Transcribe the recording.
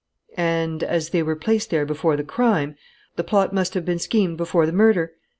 "And, as they were placed there before the crime, the plot must have been schemed before the murder?"